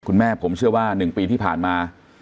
คุณแม่ผมเชื่อว่า๑ปีที่ผ่านมา